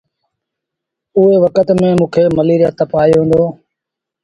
اُئي وکت ميݩ موݩ کي مليٚريآ تپ آيو هُݩدو۔